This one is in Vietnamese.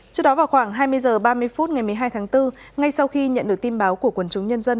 trước đó vào khoảng hai mươi h ba mươi phút ngày một mươi hai tháng bốn ngay sau khi nhận được tin báo của quần chúng nhân dân